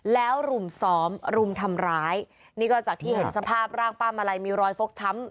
แล้วรุมซ้อมรุมทำร้ายนี่ก็จากที่เห็นสภาพร่างป้ามาลัยมีรอยฟกช้ำ